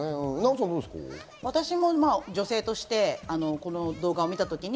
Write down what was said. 私も女性としてこの動画を見たときに、